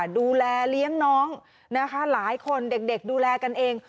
ดูแลเลี้ยงน้องนะคะหลายคนเด็กดูแลกันเอง